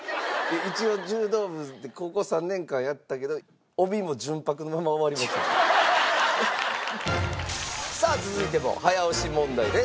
一応柔道部で高校３年間やったけどさあ続いても早押し問題です。